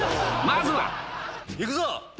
まずは行くぞ！